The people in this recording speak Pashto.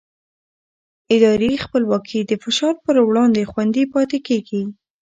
اداري خپلواکي د فشار پر وړاندې خوندي پاتې کېږي